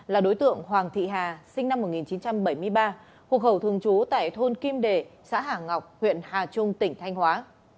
là đối tượng hoàng thị hà sinh năm một nghìn chín trăm bảy mươi ba hộ khẩu thường trú tại thôn kim đề xã hà ngọc huyện hà trung tỉnh thanh hóa